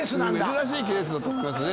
珍しいケースだと思いますね。